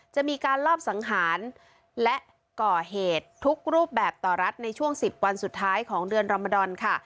จะมีการลอบสังหารและก่อเหตุทุกรูปแบบต่อรัฐในช่วง๑๐วันสุดท้ายของเดือนรมดอนค่ะ